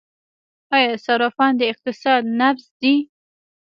آیا صرافان د اقتصاد نبض دي؟